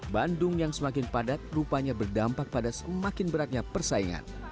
bandung yang semakin padat rupanya berdampak pada semakin beratnya persaingan